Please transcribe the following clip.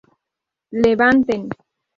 ¡levanten!